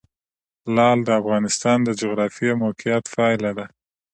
لعل د افغانستان د جغرافیایي موقیعت پایله ده.